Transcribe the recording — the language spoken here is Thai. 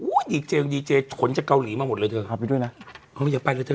อู้ยดีเจย์ดีเจย์ขนจากเกาหลีมาหมดเลยเธอฮะพี่ด้วยนะอ๋ออยากไปเลยเธอ